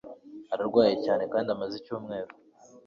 Ararwaye cyane kandi amaze icyumweru.